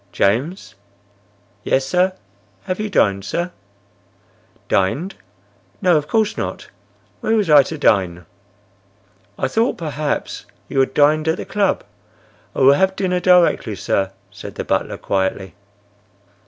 "James!" "Yes, sir. Have you dined, sir?" "Dined? No, of course not! Where was I to dine?" "I thought perhaps you had dined at the club. I will have dinner directly, sir," said the butler quietly.